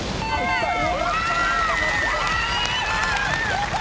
やった！